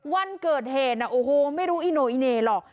วันเกิดเหตุโอ้โหไม่รู้อีโนอิเน่หรอก